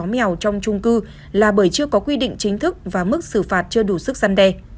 chó mèo trong chung cư là bởi chưa có quy định chính thức và mức xử phạt chưa đủ sức gian đề